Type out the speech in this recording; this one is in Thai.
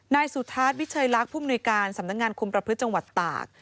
นายสุทัศน์วิชัยลักษณ์ผู้มนุยการสำนักงานคุมประพฤติจังหวัดตาก